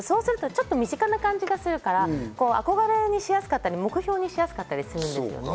ちょっと身近な感じがするから憧れにしやすかったり目標にしやすかったりするんですよね。